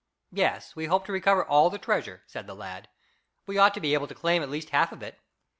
"Yes, we hope to recover all the treasure," said the lad. "We ought to be able to claim at least half of it."